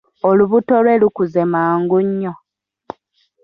Olubuto lwe lukuze mangu nnyo.